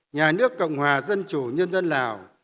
nhà nước cộng hòa dân chủ nhân dân lào